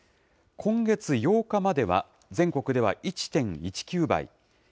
今月８日までは、全国では１．１９倍。